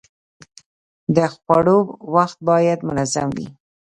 د خوړو وخت باید منظم وي.